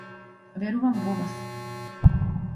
Верувам во вас.